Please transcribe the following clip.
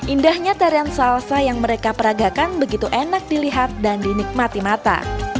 indahnya tarian salsa yang mereka peragakan begitu enak dilihat dan dinikmati mata